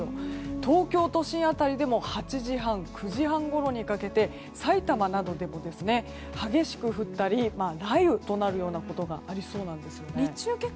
東京都心辺りでも８時半９時半ごろにかけて埼玉などでも激しく降ったり雷雨となるようなことがありそうです。